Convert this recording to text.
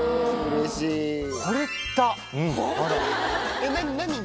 えっ何に？